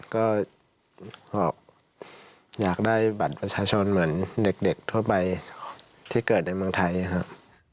ก็อยากได้บัตรประชาชนเหมือนเด็กทั่วไปที่เกิดในเมืองไทยครับ